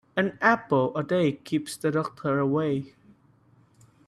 An apple a day keeps the doctor away.